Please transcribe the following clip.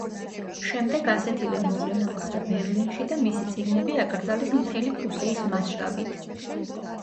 შემდეგ ასეთივე მოვლენა მოხდა ბერლინში და მისი წიგნები აკრძალეს მთელი პრუსიის მასშტაბით.